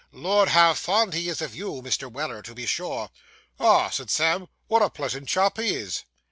Lord, how fond he is of you, Mr. Weller, to be sure!' 'Ah!' said Sam, 'what a pleasant chap he is!